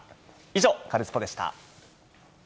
以上、カルスポっ！でした。